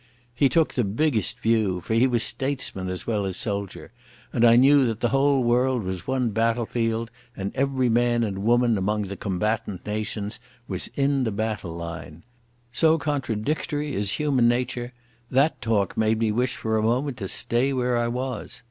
He took the biggest view, for he was statesman as well as soldier, and knew that the whole world was one battle field and every man and woman among the combatant nations was in the battle line. So contradictory is human nature, that talk made me wish for a moment to stay where I was.